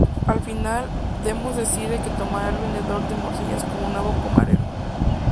Al final, Demos decide que tomará al vendedor de morcillas como nuevo camarero.